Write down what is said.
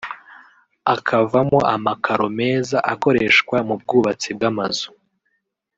akavamo amakaro meza akorehswa mu bwubatsi bw’amazu